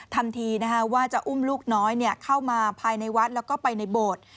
ทำทีว่าจะอุ้มลูกน้อยเข้ามาภายในวัดแล้วก็ไปในโบสถ์